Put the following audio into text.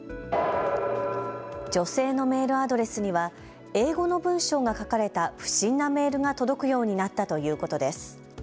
女性のメールアドレスには英語の文章が書かれた不審なメールが届くようになったということです。